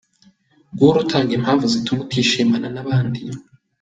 Guhora utanga impamvu zituma utishimana n’abandi.